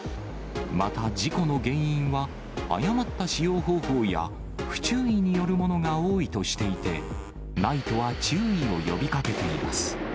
また事故の原因は、誤った使用方法や不注意によるものが多いとしていて、ＮＩＴＥは注意を呼びかけています。